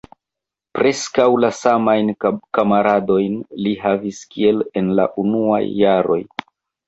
Preskaŭ la samajn kamaradojn li havis kiel en la unuaj jaroj.